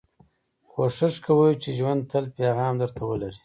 کوښښ کوئ، چي ژوند تل پیغام در ته ولري.